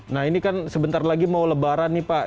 nah ini kan sebentar lagi mau lebaran nih pak